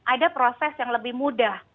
ada proses yang lebih mudah